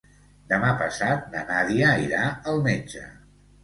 Demà passat na Nàdia irà al metge.